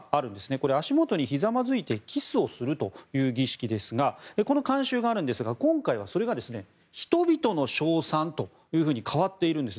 これ、足元にひざまずいてキスをするという儀式ですがこの慣習があるんですが今回はそれが人々の称賛と変わっているんです。